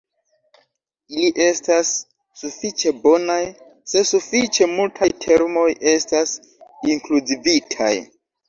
Ili estas sufiĉe bonaj se sufiĉe multaj termoj estas inkluzivitaj.